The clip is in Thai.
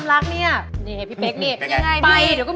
มาโร่กป่ะกอน